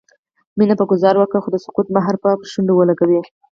مينه به ګذاره وکړي خو د سکوت مهر به پر شونډو ولګوي